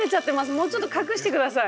もうちょっと隠して下さい。